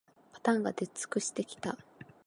パターンが出尽くしてきた